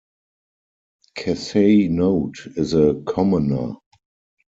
Kessai Note is a commoner.